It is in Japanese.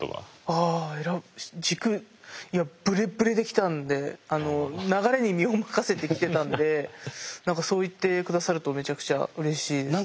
ああ軸いやぶれっぶれできたんであの流れに身を任せてきてたんで何かそう言って下さるとめちゃくちゃうれしいです。